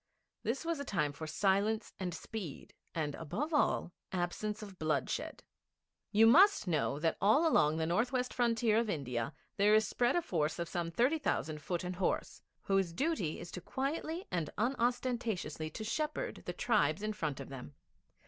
This was a time for silence and speed, and, above all, absence of bloodshed. You must know that all along the north west frontier of India there is spread a force of some thirty thousand foot and horse, whose duty it is quietly and unostentatiously to shepherd the tribes in front of them.